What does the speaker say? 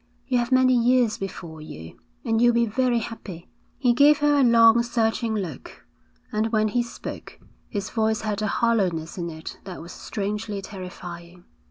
You have many years before you, and you'll be very happy.' He gave her a long, searching look; and when he spoke, his voice had a hollowness in it that was strangely terrifying.